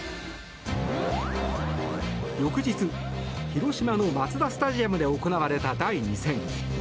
翌日、広島のマツダスタジアムで行われた第２戦。